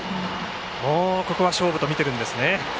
ここは勝負とみてるんですね。